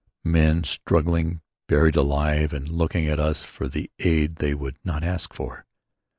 Men struggling, buried alive and looking at us for the aid they would not ask for.